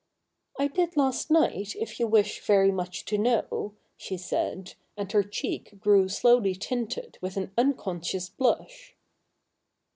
' I did last night, if you wish very much to know,' she said, and her cheek grew slowly tinted with an un conscious blush.